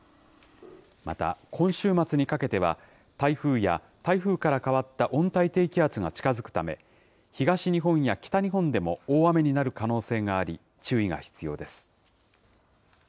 また、今週末にかけては、台風や台風から変わった温帯低気圧が近づくため、東日本や北日本でも大雨になる可能性があり、注意が必要です。